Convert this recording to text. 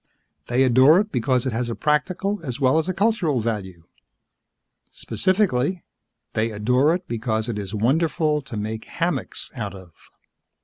They adore it because it has a practical as well as a cultural value. Specifically, they adore it because it is wonderful to make hammocks out of.